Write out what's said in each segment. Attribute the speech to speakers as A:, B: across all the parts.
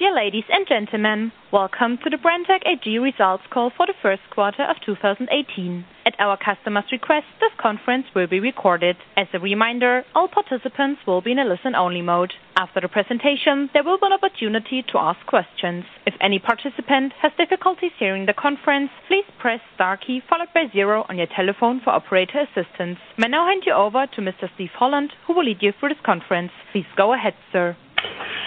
A: Dear ladies and gentlemen, welcome to the Brenntag AG results call for the first quarter of 2018. At our customers' request, this conference will be recorded. As a reminder, all participants will be in a listen-only mode. After the presentation, there will be an opportunity to ask questions. If any participant has difficulties hearing the conference, please press star key followed by 0 on your telephone for operator assistance. May I now hand you over to Mr. Steven Holland, who will lead you through this conference. Please go ahead, sir.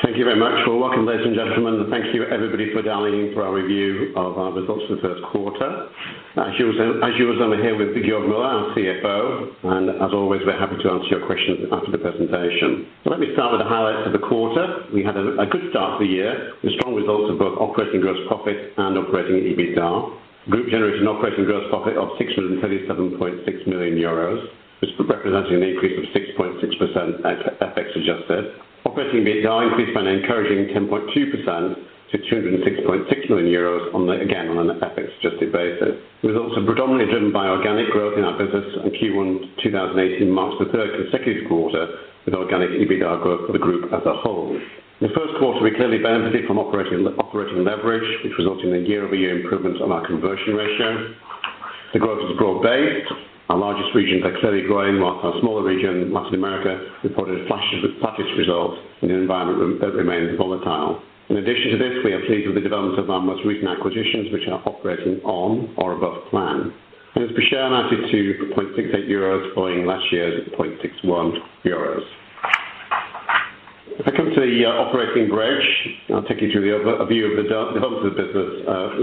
B: Thank you very much. Welcome, ladies and gentlemen. Thank you, everybody, for dialing in for our review of our results for the first quarter. As usual, I'm here with Georg Müller, our CFO, and as always, we're happy to answer your questions after the presentation. Let me start with the highlights of the quarter. We had a good start to the year, with strong results in both operating gross profit and operating EBITDA. The Group generated an operating gross profit of 637.6 million euros, which represented an increase of 6.6% at FX adjusted. Operating EBITDA increased by an encouraging 10.2% to 206.6 million euros, again, on an FX adjusted basis. The results are predominantly driven by organic growth in our business. Q1 2018 marks the third consecutive quarter with organic EBITDA growth for the Group as a whole. In the first quarter, we clearly benefited from operating leverage, which resulted in a year-over-year improvement on our conversion ratio. The growth is broad-based. Our largest regions are clearly growing, whilst our smaller region, Latin America, reported flattest results in an environment that remains volatile. In addition to this, we are pleased with the development of our most recent acquisitions, which are operating on or above plan. As per share amounted to 0.68 euros, following last year's 0.61 euros. If I come to the operating approach, I'll take you through the overview of the developments of the business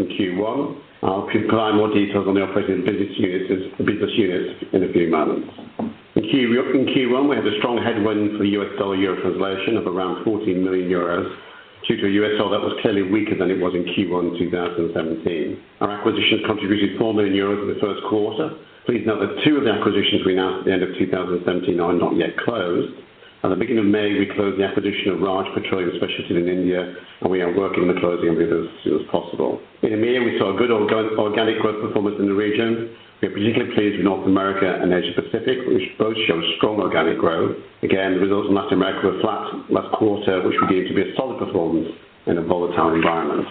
B: in Q1. I'll provide more details on the operating business units in a few moments. In Q1, we had a strong headwind for the US dollar/euro translation of around 40 million euros due to a US dollar that was clearly weaker than it was in Q1 2017. Our acquisitions contributed 4 million euros in the first quarter. Please note that 2 of the acquisitions we announced at the end of 2017 are not yet closed. At the beginning of May, we closed the acquisition of Raj Petro Specialities in India, and we are working the closing of the others as soon as possible. In EMEA, we saw a good organic growth performance in the region. We are particularly pleased with North America and Asia Pacific, which both show strong organic growth. Again, the results in Latin America were flat last quarter, which we view to be a solid performance in a volatile environment.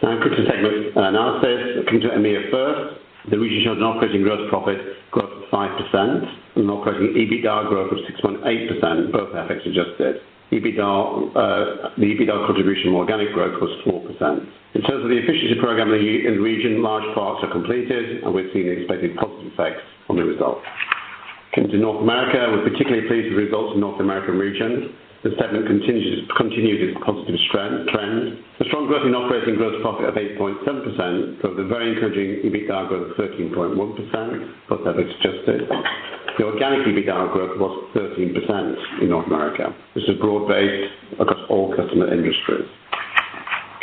B: Quickly take a look at analysis. Coming to EMEA first, the region showed an operating gross profit growth of 5% and operating EBITDA growth of 6.8%, both FX adjusted. The EBITDA contribution of organic growth was 4%. In terms of the efficiency program in the region, large parts are completed, and we're seeing the expected positive effects on the results. Coming to North America, we're particularly pleased with results in North American region. The segment continues its positive trend. The strong growth in Operating Gross Profit of 8.7% drove a very encouraging EBITDA growth of 13.1%, plus FX adjusted. The organic EBITDA growth was 13% in North America. This is broad-based across all customer industries.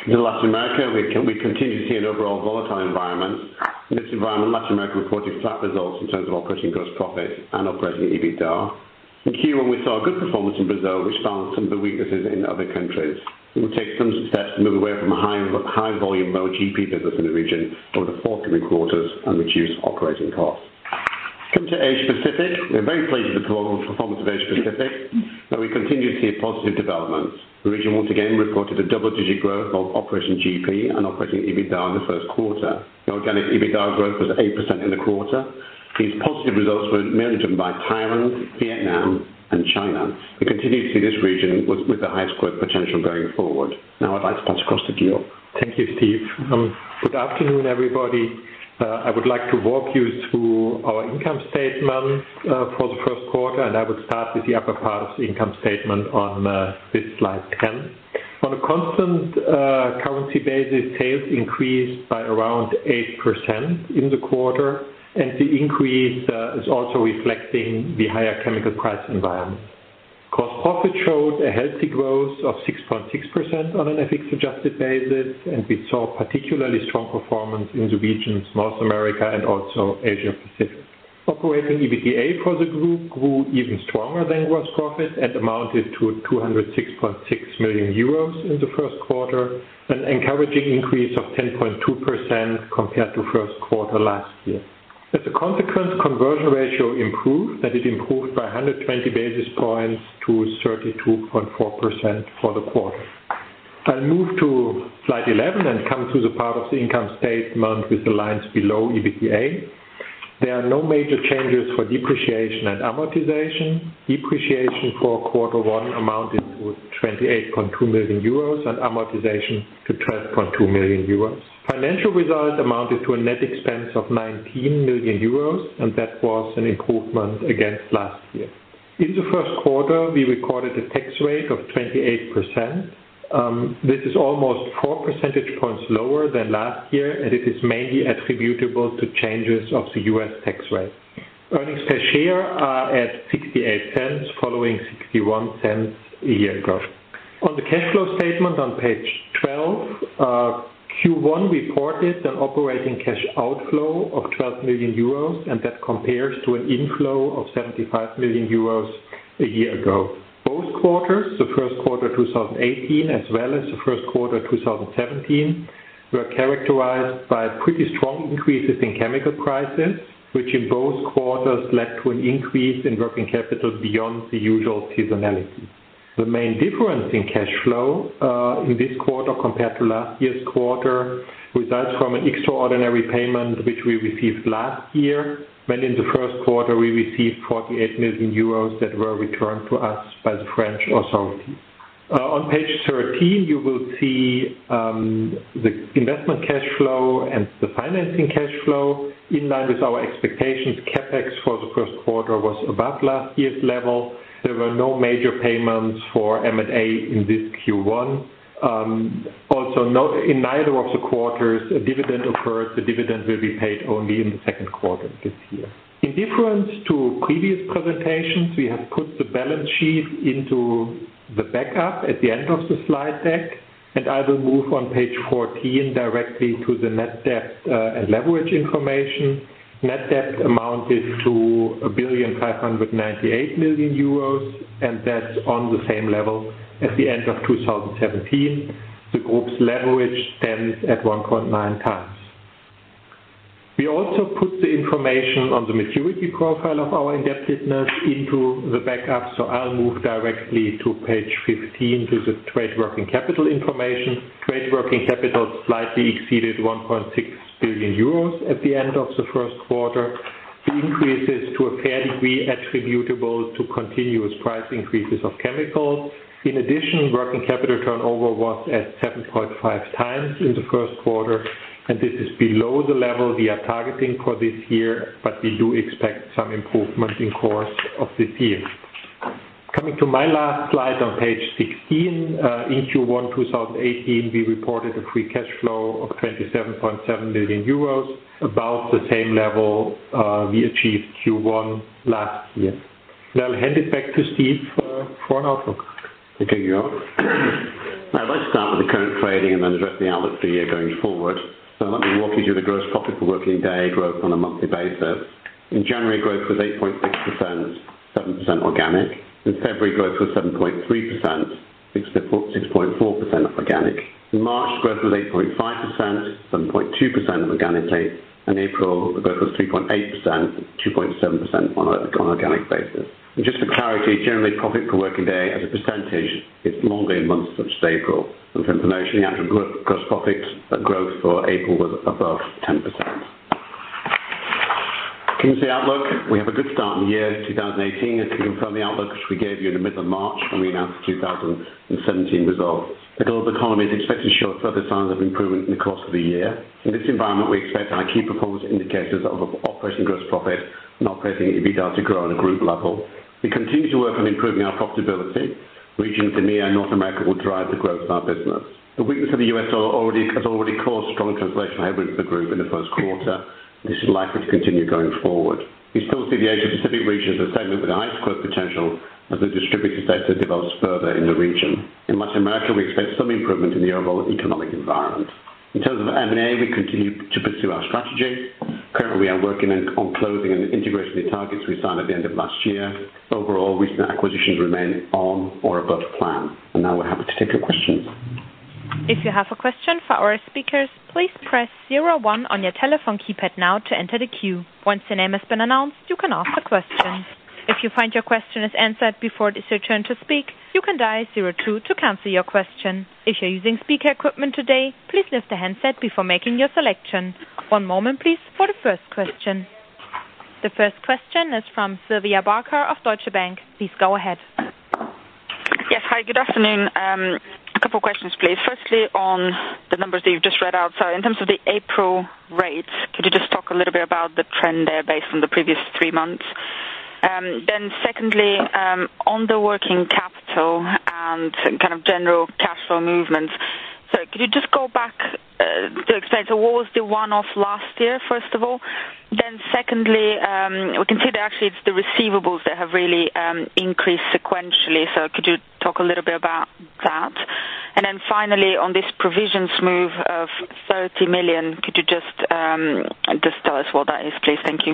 B: Coming to Latin America, we continue to see an overall volatile environment. In this environment, Latin America reported flat results in terms of Operating Gross Profit and Operating EBITDA. In Q1, we saw a good performance in Brazil, which balanced some of the weaknesses in other countries. We will take some steps to move away from a high volume, low GP business in the region over the forthcoming quarters and reduce operating costs. Coming to Asia Pacific, we are very pleased with the global performance of Asia Pacific, where we continue to see a positive development. The region once again reported a double-digit growth of Operating GP and Operating EBITDA in the first quarter. The organic EBITDA growth was 8% in the quarter. These positive results were mainly driven by Thailand, Vietnam, and China. We continue to see this region with the highest growth potential going forward. Now I'd like to pass across to Georg.
C: Thank you, Steve. Good afternoon, everybody. I would like to walk you through our income statement for the first quarter. I will start with the upper part of the income statement on this slide 10. On a constant currency basis, sales increased by around 8% in the quarter. The increase is also reflecting the higher chemical price environment. Gross Profit showed a healthy growth of 6.6% on an FX adjusted basis. We saw particularly strong performance in the regions North America and also Asia Pacific. Operating EBITDA for the group grew even stronger than Gross Profit and amounted to 206.6 million euros in the first quarter, an encouraging increase of 10.2% compared to first quarter last year. As a consequence, conversion ratio improved, and it improved by 120 basis points to 32.4% for the quarter. I'll move to slide 11 and come to the part of the income statement with the lines below EBITDA. There are no major changes for depreciation and amortization. Depreciation for quarter one amounted to 28.2 million euros and amortization to 12.2 million euros. Financial results amounted to a net expense of 19 million euros. That was an improvement against last year. In the first quarter, we recorded a tax rate of 28%. This is almost four percentage points lower than last year, and it is mainly attributable to changes of the U.S. tax rate. Earnings per share are at 0.68 following 0.61 a year ago. On the cash flow statement on page 12, Q1 reported an operating cash outflow of 12 million euros. That compares to an inflow of 75 million euros a year ago. Both quarters, the first quarter 2018 as well as the first quarter 2017, were characterized by pretty strong increases in chemical prices, which in both quarters led to an increase in working capital beyond the usual seasonality. The main difference in cash flow in this quarter compared to last year's quarter results from an extraordinary payment, which we received last year, when in the first quarter we received 48 million euros that were returned to us by the French authority. On page 13, you will see the investment cash flow and the financing cash flow. In line with our expectations, CapEx for the first quarter was about last year's level. There were no major payments for M&A in this Q1. Also, in neither of the quarters a dividend occurred. The dividend will be paid only in the second quarter this year. In difference to previous presentations, we have put the balance sheet into the backup at the end of the slide deck. I will move on page 14 directly to the net debt and leverage information. Net debt amounted to 1.598 billion, and that's on the same level as the end of 2017. The group's leverage stands at 1.9 times. We also put the information on the maturity profile of our indebtedness into the backup. I'll move directly to page 15 to the trade working capital information. Trade working capital slightly exceeded 1.6 billion euros at the end of the first quarter. The increase is to a fair degree attributable to continuous price increases of chemicals. In addition, working capital turnover was at 7.5 times in the first quarter. This is below the level we are targeting for this year. We do expect some improvement in course of this year. Coming to my last slide on page 16, in Q1 2018, we reported a free cash flow of 27.7 million euros, about the same level we achieved Q1 last year. I'll hand it back to Steve for an outlook.
B: Thank you, Georg. Let's start with the current trading and then address the outlook for the year going forward. Let me walk you through the gross profit for working day growth on a monthly basis. In January, growth was 8.6%, 7% organic. In February, growth was 7.3%, 6.4% organic. In March, growth was 8.5%, 7.2% organic base. In April, the growth was 3.8%, 2.7% on organic basis. Just for clarity, generally profit per working day as a percentage is monthly in months such as April. For information, the actual gross profit growth for April was above 10%. Coming to the outlook, we have a good start in the year 2018 and can confirm the outlook which we gave you in the middle of March when we announced the 2017 results. The global economy is expected to show further signs of improvement in the course of the year. In this environment, we expect our key proposed indicators of Operating Gross Profit and Operating EBITDA to grow on a group level. We continue to work on improving our profitability. Regions EMEA and North America will drive the growth of our business. The weakness of the U.S. has already caused strong translation headwinds for the group in the first quarter. This is likely to continue going forward. We still see the Asia-Pacific region as a segment with a high growth potential as the distributor sector develops further in the region. In Latin America, we expect some improvement in the overall economic environment. In terms of M&A, we continue to pursue our strategy. Currently, we are working on closing and integrating the targets we signed at the end of last year. Overall, recent acquisitions remain on or above plan. Now we're happy to take your questions.
A: If you have a question for our speakers, please press 01 on your telephone keypad now to enter the queue. Once your name has been announced, you can ask a question. If you find your question is answered before it is your turn to speak, you can dial 02 to cancel your question. If you're using speaker equipment today, please lift the handset before making your selection. One moment, please, for the first question. The first question is from Sylvia Barker of Deutsche Bank. Please go ahead.
D: Yes. Hi, good afternoon. A couple questions, please. Firstly, on the numbers that you've just read out. In terms of the April rates, could you just talk a little bit about the trend there based on the previous three months? Secondly, on the working capital and general cash flow movements, could you just go back to explain to what was the one-off last year, first of all? Secondly, we can see that actually it's the receivables that have really increased sequentially, could you talk a little bit about that? Finally, on this provisions move of 30 million, could you just tell us what that is, please? Thank you.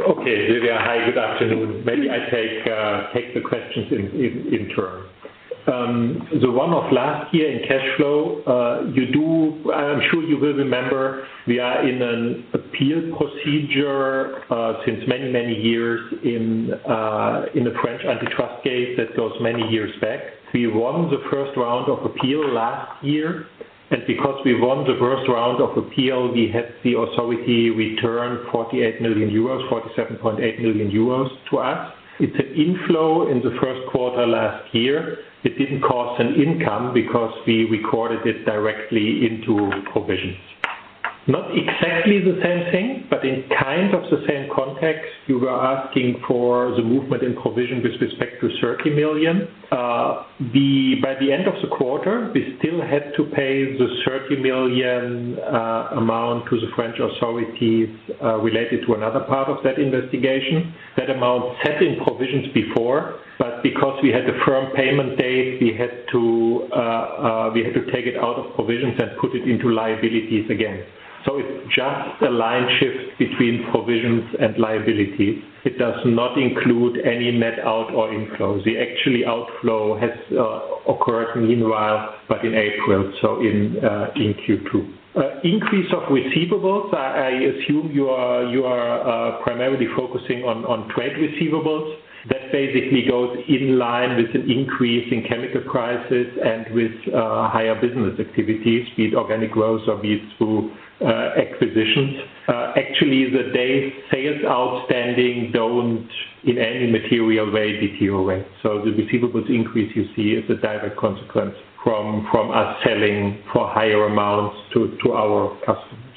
C: Okay, Sylvia. Hi, good afternoon. Maybe I take the questions in turn. The one-off last year in cash flow, I am sure you will remember, we are in an appeal procedure, since many, many years in the French antitrust case that goes many years back. We won the first round of appeal last year. Because we won the first round of appeal, we had the authority return 48 million euros, 47.8 million euros to us. It is an inflow in the first quarter last year. It did not cause an income because we recorded it directly into provisions. Not exactly the same thing, but in kind of the same context, you were asking for the movement in provision with respect to 30 million. By the end of the quarter, we still had to pay the 30 million amount to the French authorities, related to another part of that investigation. That amount sat in provisions before, but because we had a firm payment date, we had to take it out of provisions and put it into liabilities again. It is just a line shift between provisions and liabilities. It does not include any net out or inflows. The actual outflow has occurred meanwhile, but in April, so in Q2. Increase of receivables, I assume you are primarily focusing on trade receivables. That basically goes in line with the increase in chemical prices and with higher business activities, be it organic growth or be it through acquisitions. Actually, the DSO do not in any material way deteriorate. The receivables increase you see is a direct consequence from us selling for higher amounts to our customers.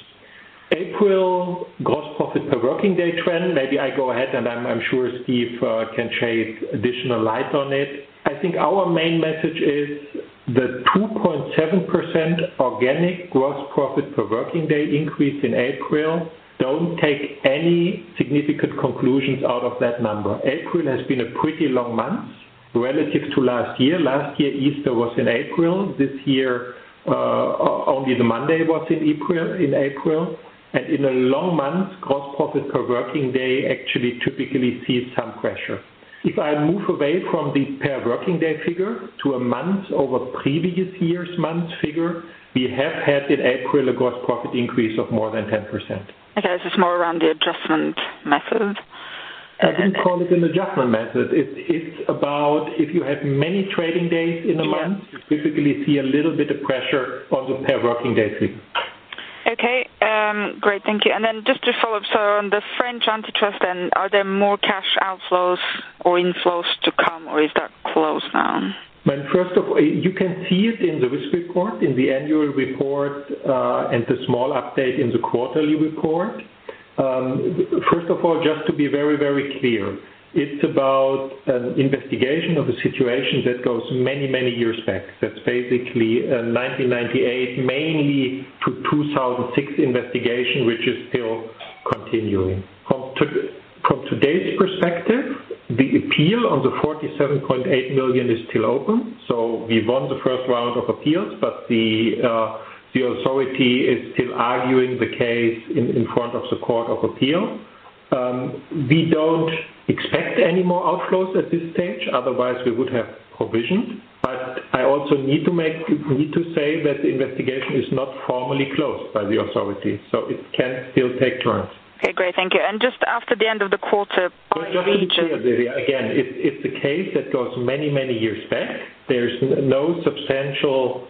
C: April gross profit per working day trend. Maybe I go ahead and I am sure Steve can shade additional light on it. I think our main message is the 2.7% organic gross profit per working day increase in April. Do not take any significant conclusions out of that number. April has been a pretty long month relative to last year. Last year, Easter was in April. This year, only the Monday was in April. In a long month, gross profit per working day actually typically sees some pressure. If I move away from the per working day figure to a month over previous years month figure, we have had in April a gross profit increase of more than 10%.
D: Okay, this is more around the adjustment method.
C: I wouldn't call it an adjustment method. It's about if you have many trading days in a month-
D: Yeah
C: you typically see a little bit of pressure on the per working day figure.
D: Okay. Great. Thank you. Just to follow up, so on the French antitrust, are there more cash outflows or inflows to come, or is that closed now?
C: You can see it in the risk report, in the annual report, and the small update in the quarterly report. First of all, just to be very clear, it's about an investigation of a situation that goes many years back. That's basically a 1998 mainly to 2006 investigation, which is still continuing. From today's perspective, the appeal on the 47.8 million is still open. We won the first round of appeals, but the authority is still arguing the case in front of the court of appeal. We don't expect any more outflows at this stage, otherwise we would have provisioned. I also need to say that the investigation is not formally closed by the authority, so it can still take turns.
D: Okay, great. Thank you. Just after the end of the quarter, by region-
C: Just to be clear, Sylvia, again, it's a case that goes many years back. There's no substantial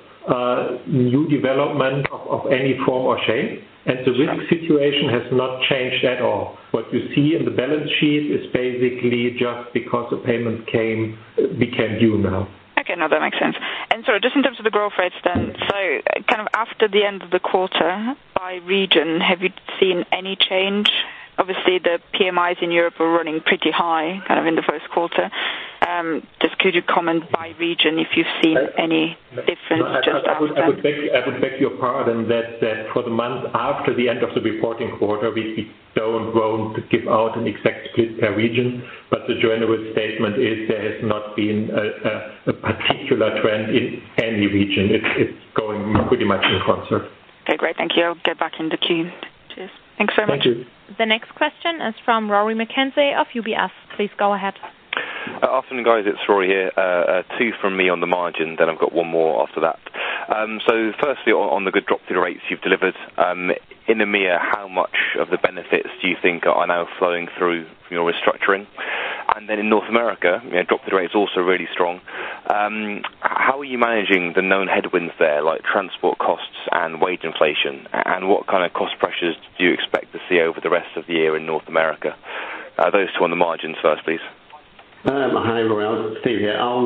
C: new development of any form or shape, and the risk situation has not changed at all. What you see in the balance sheet is basically just because the payments became due now.
D: Okay. No, that makes sense. Just in terms of the growth rates then, after the end of the quarter by region, have you seen any change? Obviously, the PMIs in Europe were running pretty high in the first quarter. Just could you comment by region if you've seen any difference just after that?
C: I would beg your pardon that for the month after the end of the reporting quarter, we won't give out an exact split per region. The general statement is there has not been a particular trend in any region. It's going pretty much in concert.
D: Okay, great. Thank you. I'll get back in the queue. Cheers. Thanks very much.
C: Thank you.
A: The next question is from Rory Mackenzie of UBS. Please go ahead.
E: Afternoon, guys. It's Rory here. Two from me on the margin, then I've got one more after that. Firstly, on the good drop through rates you've delivered. In EMEA, how much of the benefits do you think are now flowing through from your restructuring? In North America, drop through rate is also really strong. How are you managing the known headwinds there, like transport costs and wage inflation, and what kind of cost pressures do you expect to see over the rest of the year in North America? Those two on the margins first, please.
B: Hi, Rory. Steve here. I'll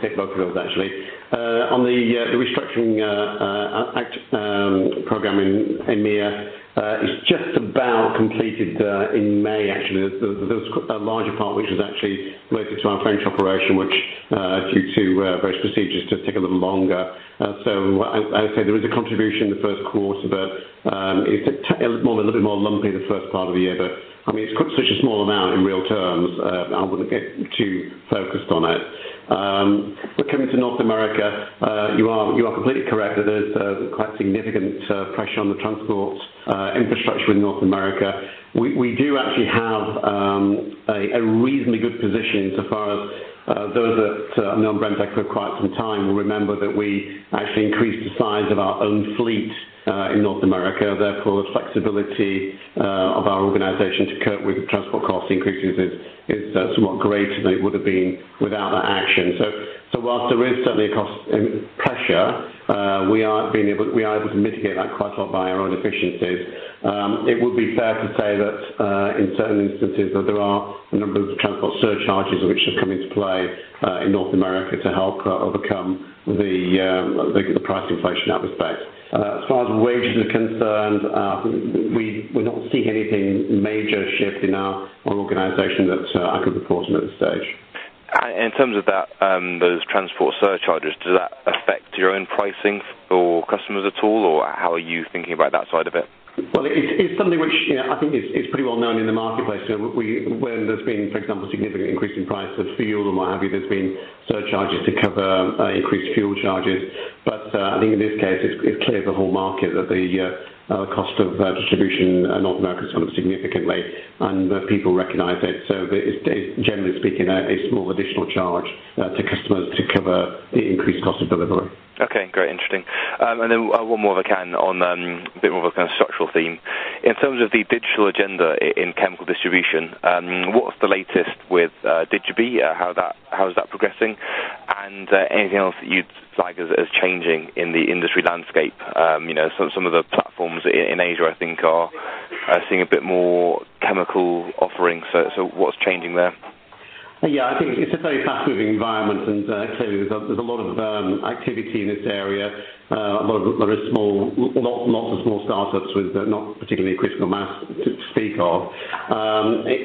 B: pick up on both of those, actually. On the restructuring program in EMEA, it's just about completed in May, actually. There was a larger part which was actually related to our French operation, which due to various procedures, just take a little longer. As I say, there is a contribution in the first quarter, but it's a little bit more lumpy the first part of the year, but it's such a small amount in real terms. I wouldn't get too focused on it. Coming to North America, you are completely correct that there's quite significant pressure on the transport infrastructure in North America. We do actually have a reasonably good position so far as those that have known Brenntag for quite some time will remember that we actually increased the size of our own fleet in North America.
C: Therefore, the flexibility of our organization to cope with transport cost increases is somewhat greater than it would have been without that action. Whilst there is certainly a cost pressure, we are able to mitigate that quite a lot by our own efficiencies. It would be fair to say that in certain instances that there are a number of transport surcharges which have come into play in North America to help overcome the price inflation in that respect. As far as wages are concerned, we're not seeing anything major shift in our organization that I could report on at this stage.
E: In terms of those transport surcharges, does that affect your own pricing for customers at all, or how are you thinking about that side of it?
C: Well, it's something which I think is pretty well known in the marketplace. When there's been, for example, significant increase in price of fuel or what have you, there's been surcharges to cover increased fuel charges. I think in this case, it's clear the whole market that the cost of distribution in North America has gone up significantly, and people recognize it. It's generally speaking, a small additional charge to customers to cover the increased cost of delivery.
E: Okay. Great, interesting. Then one more if I can on a bit more of a structural theme. In terms of the digital agenda in chemical distribution, what's the latest with DigiB? How is that progressing? Anything else that you'd flag as changing in the industry landscape? Some of the platforms in Asia I think are seeing a bit more chemical offerings. What's changing there?
B: Yeah, I think it's a very fast-moving environment. Clearly there's a lot of activity in this area. Lots of small startups with not particularly critical mass to speak of.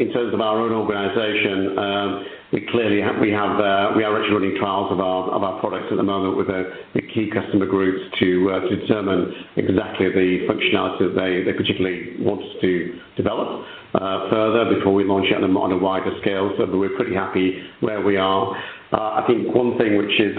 B: In terms of our own organization, clearly we are actually running trials of our products at the moment with the key customer groups to determine exactly the functionality that they particularly want us to develop further before we launch it on a wider scale. We're pretty happy where we are. I think one thing which is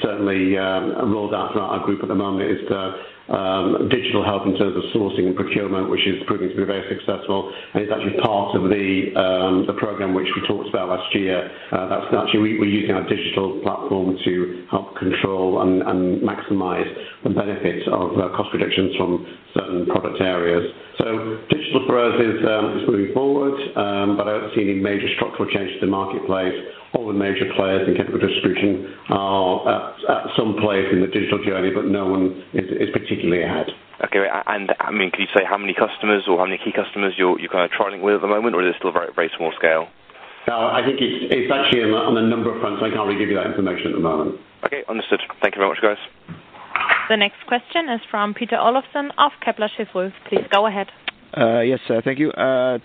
B: certainly rolled out throughout our group at the moment is the digital health in terms of sourcing and procurement, which is proving to be very successful and is actually part of the program which we talked about last year. We're using our digital platform to help control and maximize the benefits of cost reductions from certain product areas. Digital for us is moving forward. I don't see any major structural changes to the marketplace. All the major players in chemical distribution are at some place in the digital journey, but no one is particularly ahead.
E: Okay. Can you say how many customers or how many key customers you're trialing with at the moment? Is this still very small scale?
B: No, I think it's actually on a number of fronts. I can't really give you that information at the moment.
E: Okay, understood. Thank you very much, guys.
A: The next question is from Pieter Olyphant of Kepler Cheuvreux. Please go ahead.
F: Yes, thank you.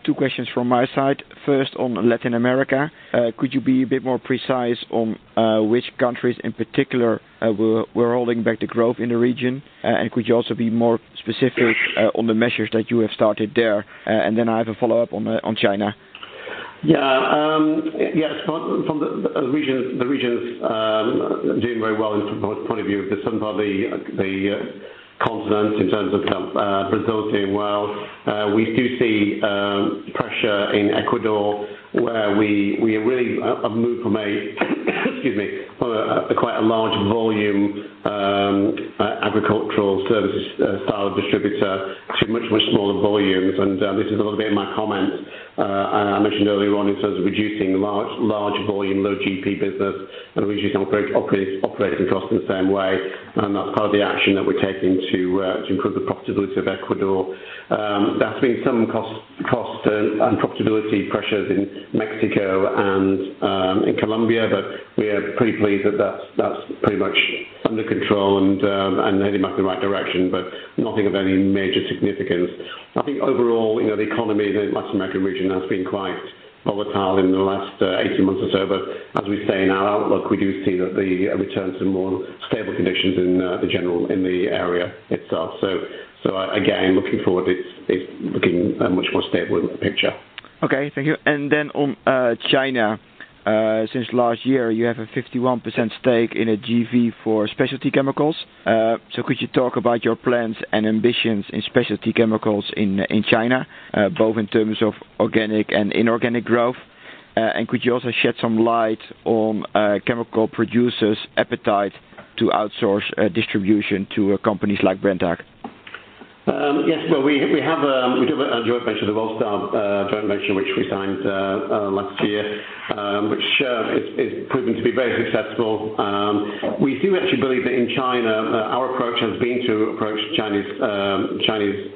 F: Two questions from my side. First, on Latin America, could you be a bit more precise on which countries in particular were holding back the growth in the region? Could you also be more specific on the measures that you have started there? Then I have a follow-up on China.
B: Yeah. From the regions doing very well in point of view of the some of the continents in terms of Brazil doing well. We do see pressure in Ecuador, where we really have moved from excuse me, quite a large volume agricultural services style distributor to much, much smaller volumes. This is a little bit in my comments. I mentioned earlier on in terms of reducing large volume, low GP business and reducing operating costs in the same way. That's part of the action that we're taking to improve the profitability of Ecuador. There's been some cost and profitability pressures in Mexico and in Colombia, but we are pretty pleased that that's pretty much under control and heading back in the right direction, but nothing of any major significance. I think overall, the economy in the Latin American region has been quite volatile in the last 18 months or so. As we say in our outlook, we do see that the return to more stable conditions in the general area itself. Again, looking forward, it's looking a much more stable picture.
F: Okay, thank you. On China, since last year you have a 51% stake in a JV for specialty chemicals. Could you talk about your plans and ambitions in specialty chemicals in China, both in terms of organic and inorganic growth? Could you also shed some light on chemical producers' appetite to outsource distribution to companies like Brenntag?
B: Yes. Well, we do have a joint venture, the Wellstar joint venture, which we signed last year, which is proving to be very successful. We do actually believe that in China our approach has been to approach Chinese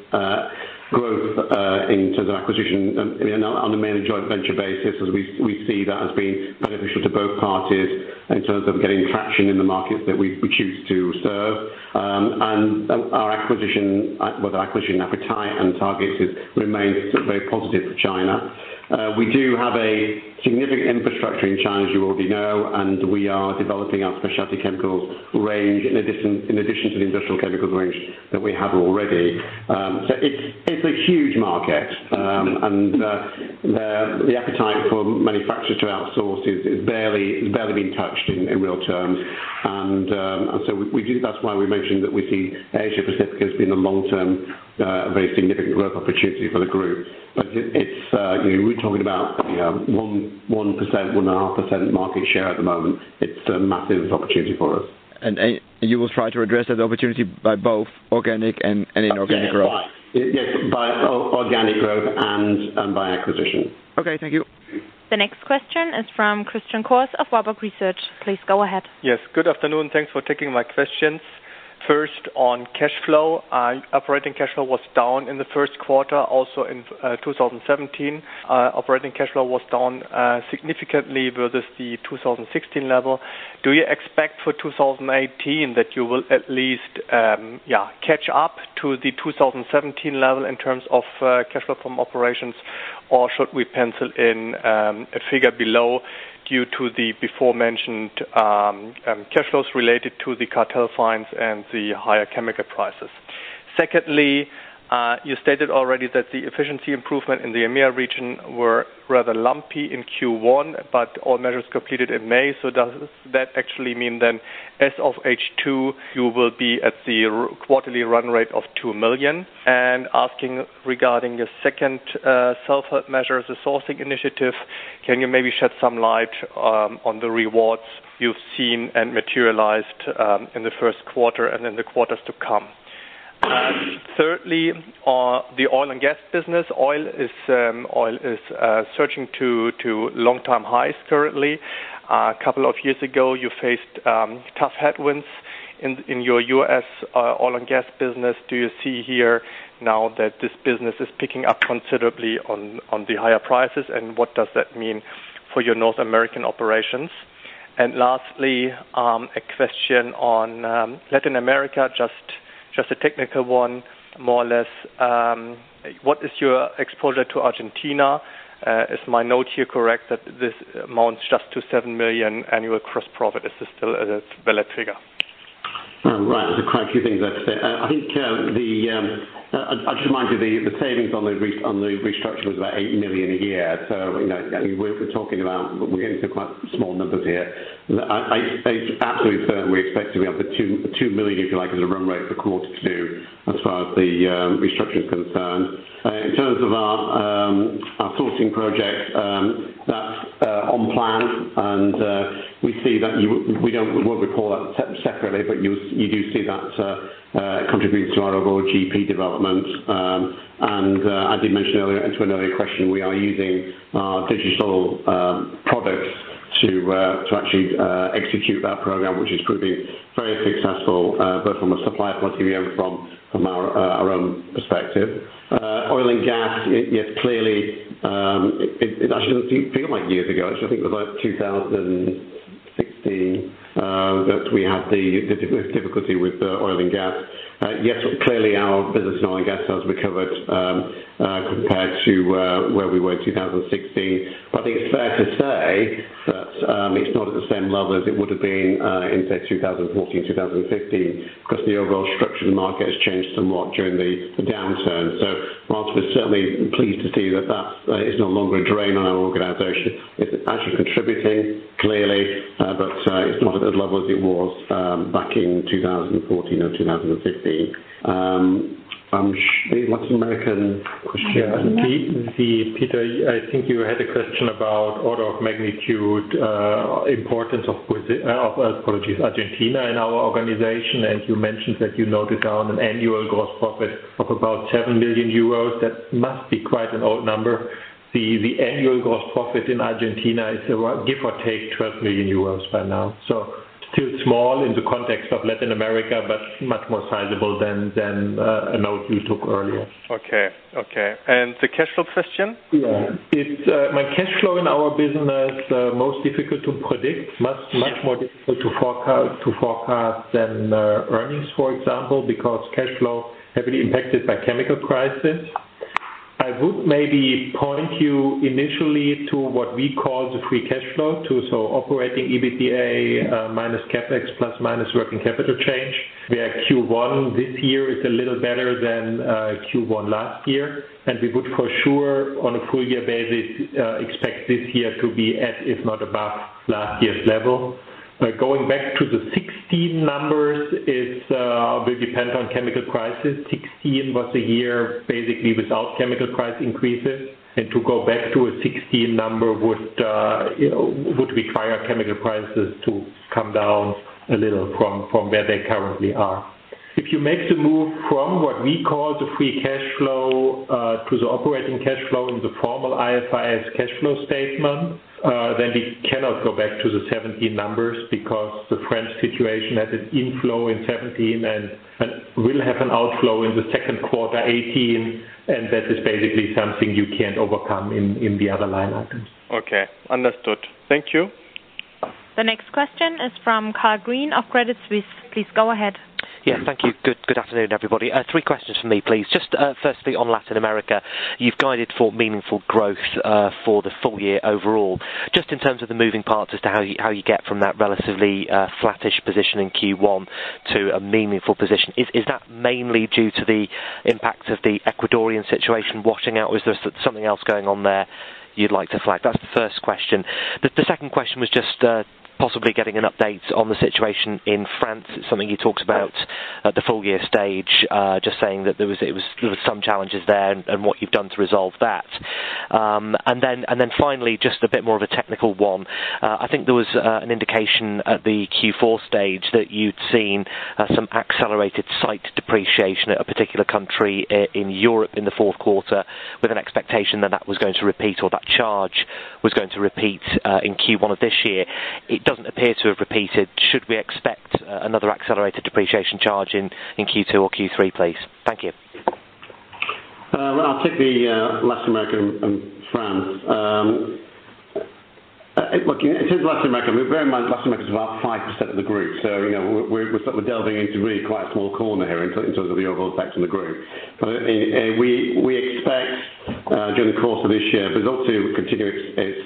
B: growth, in terms of acquisition, on a managed joint venture basis, as we see that as being beneficial to both parties in terms of getting traction in the markets that we choose to serve. Our acquisition appetite and targets remain very positive for China. We do have a significant infrastructure in China, as you already know, and we are developing our specialty chemicals range in addition to the industrial chemicals range that we have already. It's a huge market, and the appetite for manufacturers to outsource has barely been touched in real terms. We do, that's why we mentioned that we see Asia-Pacific as being a long-term, very significant growth opportunity for the group. We're talking about 1%, 1.5% market share at the moment. It's a massive opportunity for us.
F: You will try to address that opportunity by both organic and inorganic growth?
B: Yes, by organic growth and by acquisition.
F: Okay, thank you.
A: The next question is from Christian Kurz of Warburg Research. Please go ahead.
G: Yes, good afternoon. Thanks for taking my questions. First, on cash flow. Operating cash flow was down in the first quarter. In 2017, operating cash flow was down significantly versus the 2016 level. Do you expect for 2018 that you will at least catch up to the 2017 level in terms of cash flow from operations? Should we pencil in a figure below due to the beforementioned cash flows related to the cartel fines and the higher chemical prices? Secondly, you stated already that the efficiency improvement in the EMEA region were rather lumpy in Q1, but all measures completed in May. Does that actually mean then as of H2, you will be at the quarterly run rate of 2 million? Asking regarding the second self-help measures, the sourcing initiative, can you maybe shed some light on the rewards you've seen and materialized in the first quarter and in the quarters to come? Thirdly, the oil and gas business. Oil is surging to long-time highs currently. A couple of years ago, you faced tough headwinds in your U.S. oil and gas business, do you see here now that this business is picking up considerably on the higher prices, and what does that mean for your North American operations? Lastly, a question on Latin America, just a technical one, more or less. What is your exposure to Argentina? Is my note here correct that this amounts just to 7 million annual gross profit? Is this still a valid figure?
B: Right. There are quite a few things there to say. I just remind you the savings on the restructure was about 8 million a year. We're getting to quite small numbers here. I absolutely firmly expect to be up to 2 million, if you like, as a run rate for quarter two, as far as the restructure is concerned. In terms of our sourcing project, that's on plan and I won't report that separately, but you do see that contributing to our overall GP development. I did mention earlier and to an earlier question, we are using our digital products to actually execute that program, which has proven very successful, both from a supplier point of view and from our own perspective. Oil and gas, it actually doesn't feel like years ago. Actually, I think it was about 2016 that we had the difficulty with oil and gas. Yes, clearly our business in oil and gas has recovered compared to where we were in 2016, but I think it's fair to say that it's not at the same level as it would have been in, say, 2014, 2015, because the overall structure of the market has changed somewhat during the downturn. Whilst we're certainly pleased to see that is no longer a drain on our organization, it's actually contributing clearly, but it's not at the level as it was back in 2014 or 2015. Latin American question.
C: [Peter], I think you had a question about order of magnitude importance of, apologies, Argentina in our organization, and you mentioned that you noted down an annual gross profit of about 7 million euros. That must be quite an old number. The annual gross profit in Argentina is give or take 12 million euros by now. Still small in the context of Latin America, but much more sizable than a note you took earlier.
G: Okay. The cash flow question?
C: Yeah. My cash flow in our business, most difficult to predict. Much more difficult to forecast than earnings, for example, because cash flow heavily impacted by chemical prices. I would maybe point you initially to what we call the free cash flow, Operating EBITDA, minus CapEx, plus minus working capital change, where Q1 this year is a little better than Q1 last year. We would for sure, on a full year basis, expect this year to be at if not above last year's level. Going back to the 2016 numbers, it will depend on chemical prices. 2016 was a year basically without chemical price increases, and to go back to a 2016 number would require chemical prices to come down a little from where they currently are. If you make the move from what we call the free cash flow, to the operating cash flow in the formal IFRS cash flow statement, then we cannot go back to the 2017 numbers because the French situation had an inflow in 2017 and will have an outflow in the second quarter 2018, and that is basically something you can't overcome in the other line items.
G: Okay, understood. Thank you.
A: The next question is from Carl Green of Credit Suisse. Please go ahead.
H: Thank you. Good afternoon, everybody. Three questions from me, please. Firstly, on Latin America, you've guided for meaningful growth for the full year overall. In terms of the moving parts as to how you get from that relatively flattish position in Q1 to a meaningful position, is that mainly due to the impact of the Ecuadorian situation washing out? Was there something else going on there you'd like to flag? That's the first question. The second question was possibly getting an update on the situation in France. It's something you talked about at the full year stage, saying that there was some challenges there and what you've done to resolve that. Finally, a bit more of a technical one. I think there was an indication at the Q4 stage that you'd seen some accelerated site depreciation at a particular country in Europe in the fourth quarter with an expectation that that was going to repeat or that charge was going to repeat in Q1 of this year. It doesn't appear to have repeated. Should we expect another accelerated depreciation charge in Q2 or Q3, please? Thank you.
B: I'll take the Latin America and France. Look, in terms of Latin America, bear in mind Latin America is about 5% of the group. So we're delving into really quite a small corner here in terms of the overall effect on the group. We expect during the course of this year, Brazil to continue its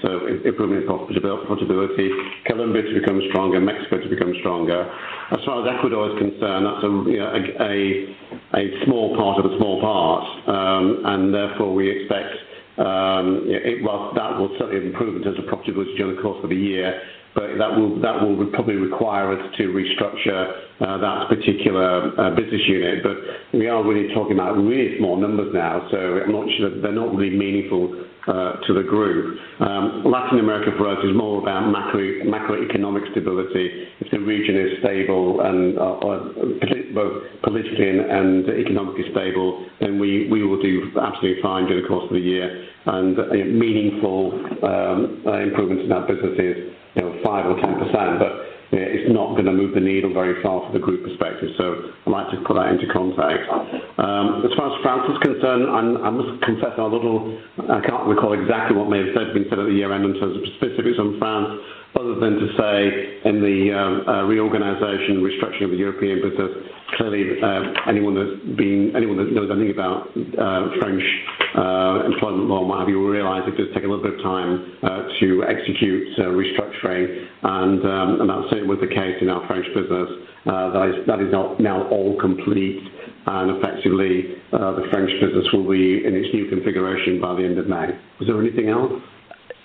B: improvement in profitability, Colombia to become stronger, Mexico to become stronger. As far as Ecuador is concerned, that's a small part of a small part, and therefore we expect that will certainly improve in terms of profitability during the course of the year. But that will probably require us to restructure that particular business unit. But we are really talking about really small numbers now, so I'm not sure that they're not really meaningful to the group. Latin America for us is more about macroeconomic stability. If the region is stable and both politically and economically stable, then we will do absolutely fine during the course of the year, and meaningful improvements in our businesses, 5% or 10%, but it's not going to move the needle very far from the group perspective. So I'd like to put that into context. As far as France is concerned, I must confess I can't recall exactly what may have been said at the year-end in terms of specifics on France, other than to say in the reorganization, restructuring of the European business. Clearly, anyone that knows anything about French employment law or what have you, will realize it does take a little bit of time to execute restructuring and that certainly was the case in our French business. That is now all complete and effectively, the French business will be in its new configuration by the end of May. Was there anything else?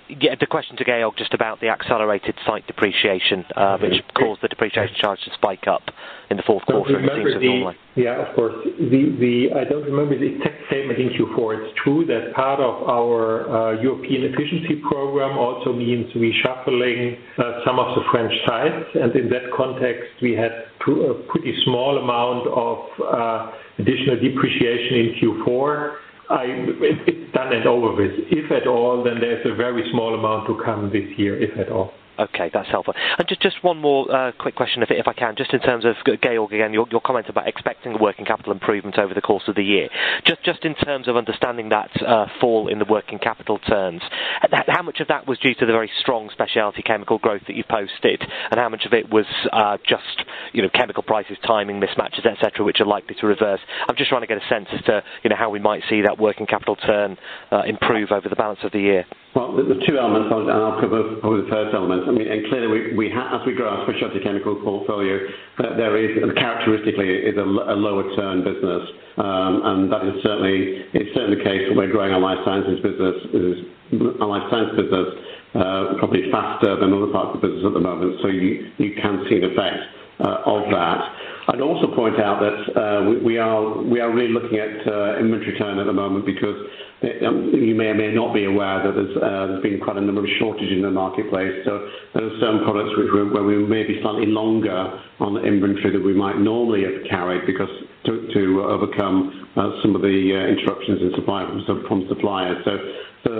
H: Yeah. The question to Georg just about the accelerated site depreciation, which caused the depreciation charge to spike up in the fourth quarter than it seems to normally.
C: Yeah, of course. I don't remember the tech statement in Q4. It's true that part of our European efficiency program also means reshuffling some of the French sites. In that context, we had a pretty small amount of additional depreciation in Q4. It's done and over with. If at all, then there's a very small amount to come this year, if at all.
H: Okay. That's helpful. Just one more quick question, if I can, just in terms of, Georg again, your comments about expecting working capital improvements over the course of the year. Just in terms of understanding that fall in the working capital terms, how much of that was due to the very strong specialty chemical growth that you've posted? How much of it was just chemical prices, timing mismatches, et cetera, which are likely to reverse? I'm just trying to get a sense as to how we might see that working capital turn improve over the balance of the year.
B: Well, there's two elements, I'll cover probably the first element. Clearly, as we grow our specialty chemical portfolio, there is characteristically a lower turn business. That is certainly the case where we're growing our life science business probably faster than other parts of the business at the moment. You can see the effect of that. I'd also point out that we are really looking at inventory turn at the moment because you may or may not be aware that there's been quite a number of shortages in the marketplace. There are certain products where we may be slightly longer on the inventory that we might normally have carried to overcome some of the interruptions in supply from suppliers.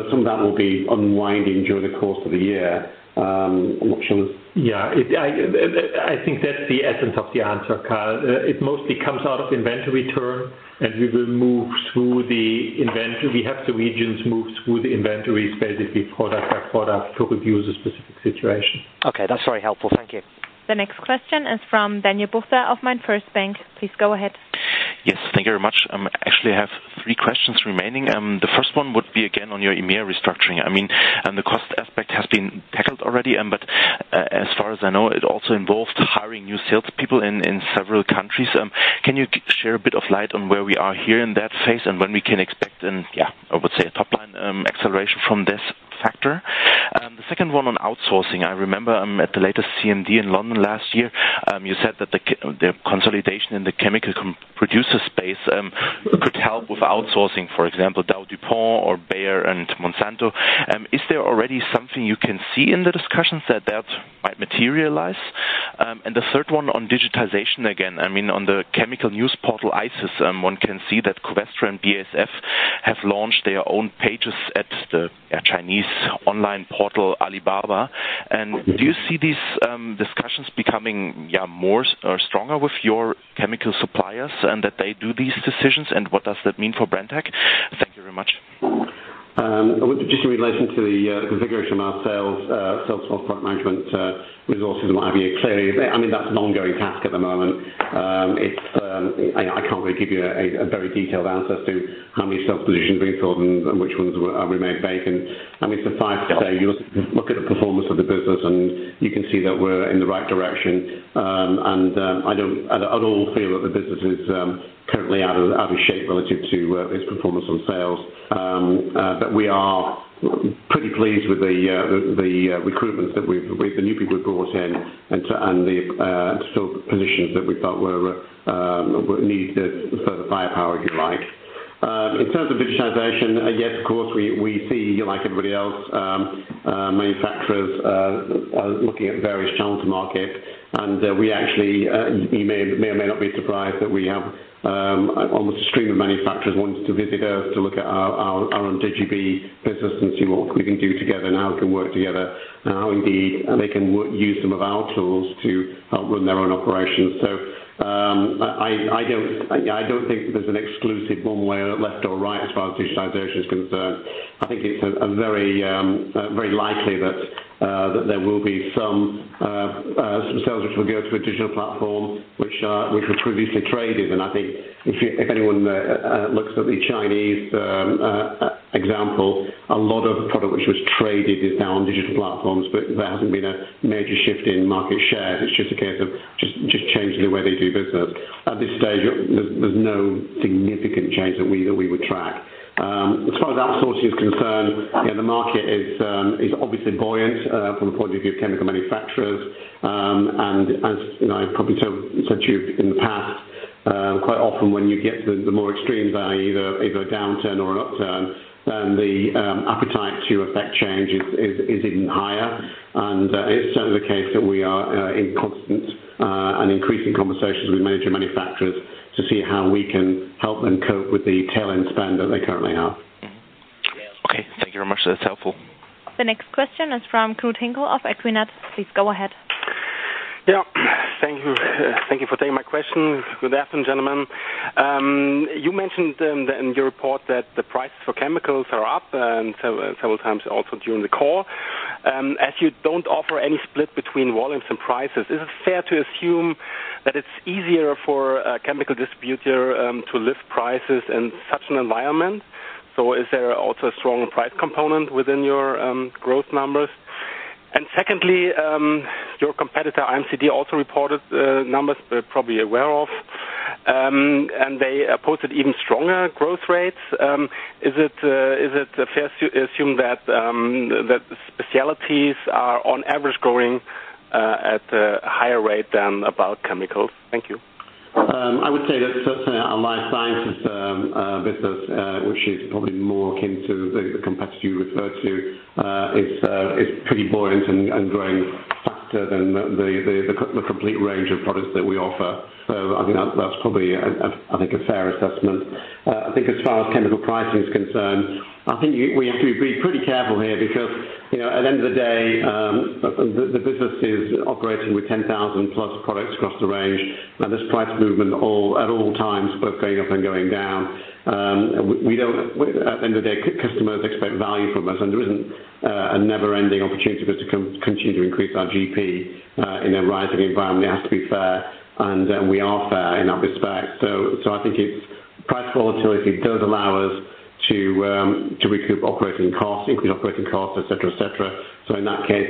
B: Some of that will be unwinding during the course of the year. Any more questions?
C: Yeah. I think that's the essence of the answer, Carl. It mostly comes out of inventory turn, and we will move through the inventory. We have the regions move through the inventories basically product by product to review the specific situation.
H: Okay. That's very helpful. Thank you.
A: The next question is from Daniel Bucher of MainFirst Bank. Please go ahead.
I: Yes. Thank you very much. Actually, I have three questions remaining. The first one would be again on your EMEA restructuring. The cost aspect has been tackled already, but as far as I know, it also involved hiring new salespeople in several countries. Can you share a bit of light on where we are here in that phase and when we can expect, I would say, a top-line acceleration from this factor? The second one on outsourcing. I remember at the latest CMD in London last year, you said that the consolidation in the chemical producer space could help with outsourcing, for example, Dow, DuPont or Bayer and Monsanto. Is there already something you can see in the discussions that that might materialize? The third one on digitization again. On the chemical news portal ICIS, one can see that Covestro and BASF have launched their own pages at the Chinese online portal, Alibaba. Do you see these discussions becoming more or stronger with your chemical suppliers and that they do these decisions, and what does that mean for Brenntag? Thank you very much.
B: Just in relation to the configuration of our sales force, product management resources and what have you. Clearly, that's an ongoing task at the moment. I can't really give you a very detailed answer as to how many sales positions we've filled and which ones we made vacant. I mean, suffice to say, you look at the performance of the business, and you can see that we're in the right direction. I don't at all feel that the business is currently out of shape relative to its performance on sales. We are pretty pleased with the recruitments that the new people we've brought in and the sort of positions that we felt were needed for firepower, if you like. In terms of digitization, yes, of course, we see, like everybody else, manufacturers are looking at various channels to market. We actually, you may or may not be surprised that we have almost a stream of manufacturers wanting to visit us to look at our own DigiB business and see what we can do together and how we can work together, and how indeed they can use some of our tools to help run their own operations. I don't think that there's an exclusive one way or left or right as far as digitization is concerned. I think it's very likely that there will be some sales which will go to a digital platform, which were previously traded. I think if anyone looks at the Chinese example, a lot of the product which was traded is now on digital platforms, but there hasn't been a major shift in market share. It's just a case of just changing the way they do business. At this stage, there's no significant change that we would track. As far as outsourcing is concerned, the market is obviously buoyant from the point of view of chemical manufacturers. As I've probably said to you in the past. Quite often when you get the more extreme value, either a downturn or an upturn, then the appetite to affect change is even higher. It's certainly the case that we are in constant and increasing conversations with major manufacturers to see how we can help them cope with the tailwind spend that they currently have.
I: Okay. Thank you very much. That's helpful.
A: The next question is from Knut Henkel of Equinet. Please go ahead.
J: Yeah. Thank you for taking my question. Good afternoon, gentlemen. You mentioned in your report that the prices for chemicals are up, and several times also during the call. As you don't offer any split between volumes and prices, is it fair to assume that it's easier for a chemical distributor to lift prices in such an environment? Is there also a strong price component within your growth numbers? Secondly, your competitor, IMCD, also reported numbers you're probably aware of, and they posted even stronger growth rates. Is it fair to assume that the specialties are on average growing at a higher rate than bulk chemicals? Thank you.
B: I would say that certainly our life sciences business, which is probably more akin to the competitor you referred to, is pretty buoyant and growing faster than the complete range of products that we offer. I think that's probably a fair assessment. I think as far as chemical pricing is concerned, I think we have to be pretty careful here because at the end of the day, the business is operating with 10,000 plus products across the range, and there's price movement at all times, both going up and going down. At the end of the day, customers expect value from us, and there isn't a never-ending opportunity for us to continue to increase our GP in a rising environment. It has to be fair, and we are fair in that respect. I think price volatility does allow us to recoup operating costs, increase operating costs, et cetera. In that case,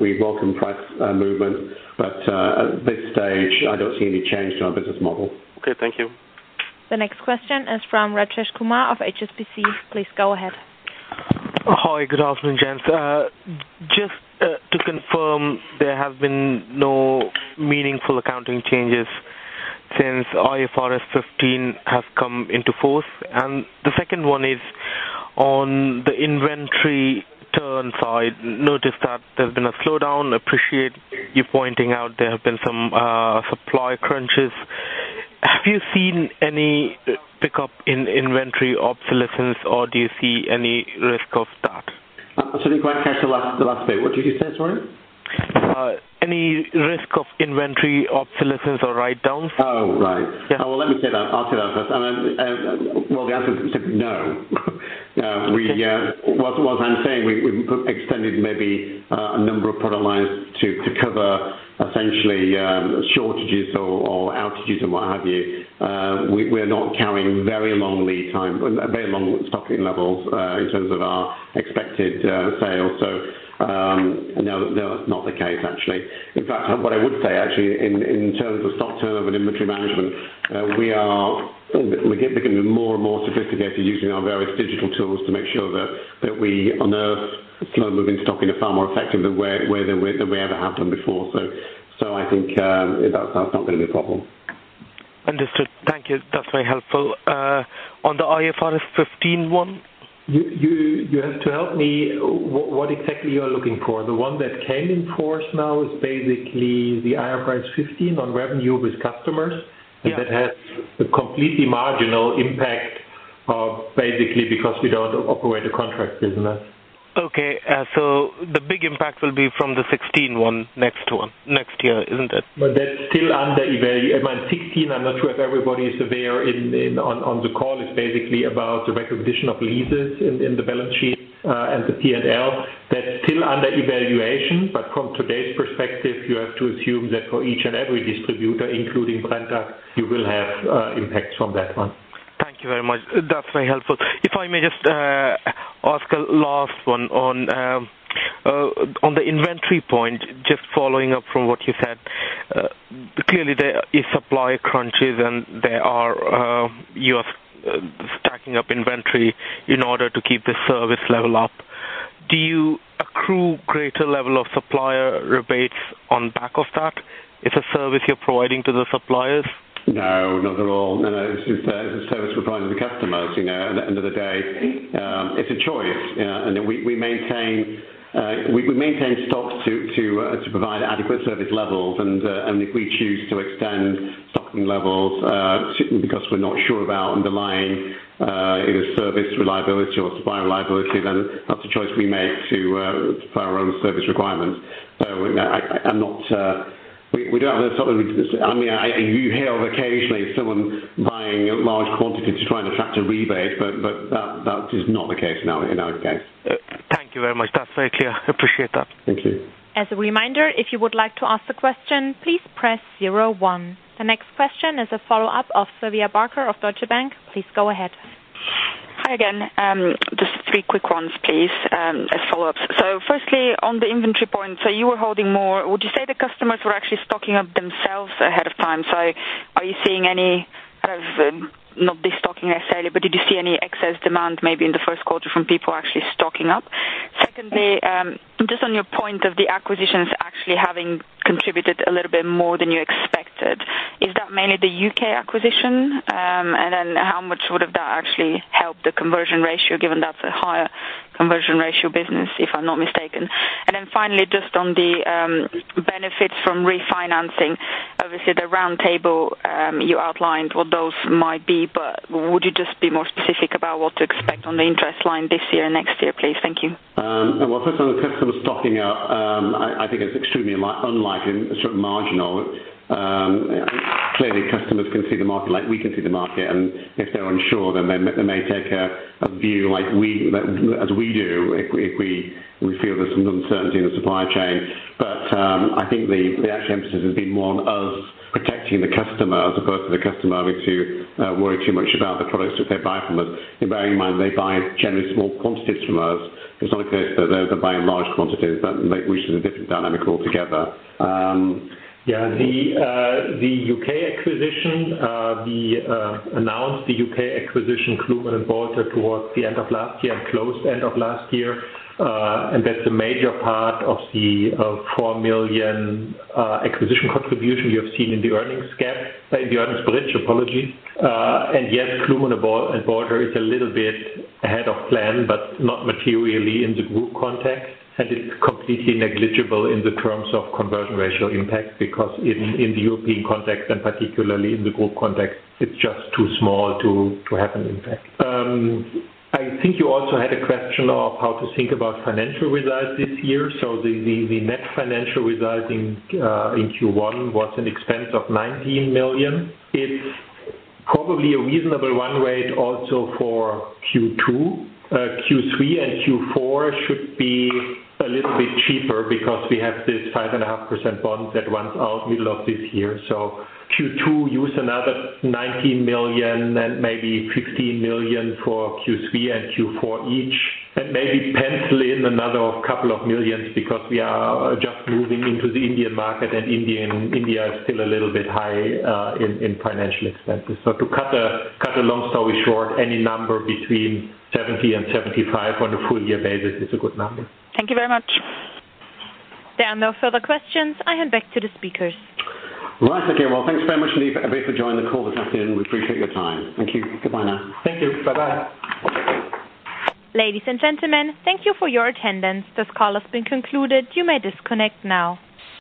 B: we welcome price movement. At this stage, I don't see any change to our business model.
J: Okay, thank you.
A: The next question is from Rajesh Kumar of HSBC. Please go ahead.
K: Hi, good afternoon, gents. Just to confirm, there have been no meaningful accounting changes since IFRS 15 has come into force. The second one is on the inventory turn side, noticed that there's been a slowdown. Appreciate you pointing out there have been some supply crunches. Have you seen any pickup in inventory obsolescence, or do you see any risk of that?
B: I didn't quite catch the last bit. What did you say, sorry?
K: Any risk of inventory obsolescence or write-downs?
B: Oh, right.
K: Yeah.
B: Well, let me say that. I'll say that first. Well, the answer is simply no. As I'm saying, we extended maybe a number of product lines to cover essentially shortages or outages and what have you. We're not carrying very long lead time, very long stocking levels in terms of our expected sales. No, that's not the case, actually. In fact, what I would say, actually, in terms of stock turnover and inventory management, we are getting more and more sophisticated using our various digital tools to make sure that we unearth slow-moving stock in a far more effective way than we ever have done before. I think that's not going to be a problem.
K: Understood. Thank you. That's very helpful. On the IFRS 15 one?
C: You have to help me what exactly you're looking for. The one that came in force now is basically the IFRS 15 on revenue with customers.
K: Yeah.
C: That has a completely marginal impact, basically because we don't operate a contract business.
K: Okay. The big impact will be from the 16 one, next one, next year, isn't it?
C: That's still under evaluation. IFRS 16, I'm not sure if everybody is aware on the call, is basically about the recognition of leases in the balance sheet and the P&L. That's still under evaluation, from today's perspective, you have to assume that for each and every distributor, including Brenntag, you will have impacts from that one.
K: Thank you very much. That's very helpful. If I may just ask a last one on the inventory point, just following up from what you said. Clearly, there is supply crunches and you are stacking up inventory in order to keep the service level up. Do you accrue greater level of supplier rebates on back of that? It's a service you're providing to the suppliers?
B: No, not at all. No. It's a service we provide to the customers. At the end of the day, it's a choice. We maintain stocks to provide adequate service levels. If we choose to extend stocking levels because we're not sure of our underlying either service reliability or supplier reliability, then that's a choice we make to our own service requirements. You hear of occasionally someone buying large quantities to try and attract a rebate, that is not the case in our case.
K: Thank you very much. That's very clear. Appreciate that.
B: Thank you.
A: As a reminder, if you would like to ask a question, please press 01. The next question is a follow-up of Sylvia Barker of Deutsche Bank. Please go ahead.
D: Hi again. Just three quick ones, please, as follow-ups. Firstly, on the inventory point, you were holding more. Would you say the customers were actually stocking up themselves ahead of time? Are you seeing any kind of, not destocking necessarily, but did you see any excess demand maybe in the first quarter from people actually stocking up? Secondly, just on your point of the acquisitions actually having contributed a little bit more than you expected, is that mainly the U.K. acquisition? How much would that actually help the conversion ratio, given that's a higher conversion ratio business, if I'm not mistaken? Finally, just on the benefits from refinancing, obviously the roundtable, you outlined what those might be, but would you just be more specific about what to expect on the interest line this year and next year, please? Thank you.
B: Well, first on the customer stocking up, I think it's extremely unlikely and sort of marginal. Clearly, customers can see the market like we can see the market, and if they're unsure, then they may take a view as we do if we feel there's some uncertainty in the supply chain. I think the actual emphasis has been more on us protecting the customer as opposed to the customer having to worry too much about the products that they buy from us. Bearing in mind they buy generally small quantities from us. It's not a case that they're buying large quantities, but which is a different dynamic altogether.
C: The U.K. acquisition, we announced the U.K. acquisition, Kluman and Balter, towards the end of last year and closed end of last year. That's a major part of the 4 million acquisition contribution you have seen in the earnings gap, in the earnings bridge, apologies. Yes, Kluman and Balter is a little bit ahead of plan, but not materially in the group context. It's completely negligible in the terms of conversion ratio impact because in the European context and particularly in the group context, it's just too small to have an impact. I think you also had a question of how to think about financial results this year. The net financial results in Q1 was an expense of 19 million. It's probably a reasonable run rate also for Q2. Q3 and Q4 should be a little bit cheaper because we have this 5.5% bond that runs out middle of this year. Q2, use another 19 million and maybe 15 million for Q3 and Q4 each. Maybe pencil in another couple of millions because we are just moving into the Indian market, and India is still a little bit high in financial expenses. To cut a long story short, any number between 70 and 75 on a full year basis is a good number.
D: Thank you very much.
A: There are no further questions. I hand back to the speakers.
B: Right, okay. Well, thanks very much indeed, [a brief], for joining the call this afternoon. We appreciate your time. Thank you. Goodbye now.
C: Thank you. Bye-bye.
A: Ladies and gentlemen, thank you for your attendance. This call has been concluded. You may disconnect now.